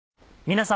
皆様。